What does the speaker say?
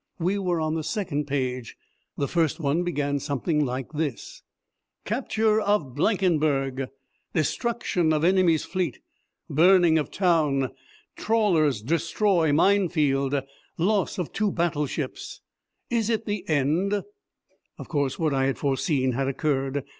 We were on the second page. The first one began something like this: CAPTURE OF BLANKENBERG! DESTRUCTION OF ENEMY'S FLEET BURNING OF TOWN TRAWLERS DESTROY MINE FIELD LOSS OF TWO BATTLESHIPS IS IT THE END? Of course, what I had foreseen had occurred.